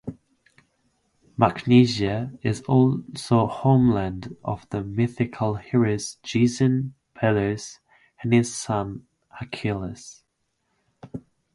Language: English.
Magnesia is also homeland of the mythical heroes Jason, Peleus and his son Achilles.